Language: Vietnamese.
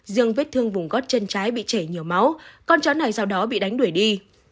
riêng vết thương vùng gót chân trái bị chảy nhiều máu con chó này sau đó bị đánh đuổi đi